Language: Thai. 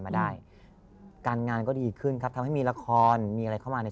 มาได้การงานก็ดีขึ้นครับทำให้มีละครมีอะไรเข้ามาใน